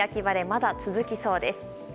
まだ続きそうです。